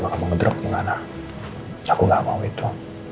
kalau kamu ngedruk gimana aku gak mau itu